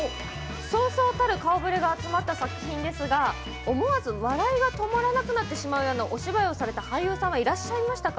そうそうたる顔ぶれが集まった作品ですが思わず笑いが止まらなくなってしまうようなお芝居をされた俳優さんはいらっしゃいましたか？